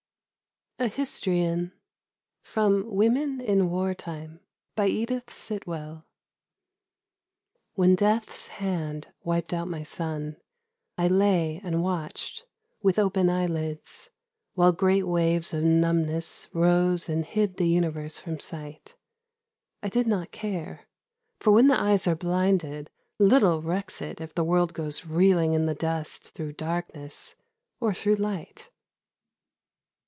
77 EDITH SIT WELL. A HISTRION. u From Women in War Time" WHEN death's hand wiped out my sun, I lay and watched with open eyelids While great waves of numbness rose and hid the universe from sight : I did not care, for when the eyes are blinded, little recks it If the world goes reeling in the dust through darkness or through light.